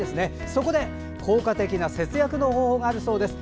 そこで効果的な節約の方法があるそうです。